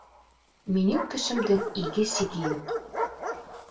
Минең көсөмдөң иге-сиге юҡ.